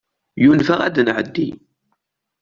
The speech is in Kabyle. Yunef-aɣ ad nɛeddi.